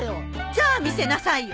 じゃあ見せなさいよ。